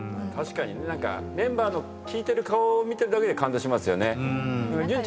確かにメンバーの聞いてる顔を見てるだけで感動しますよね。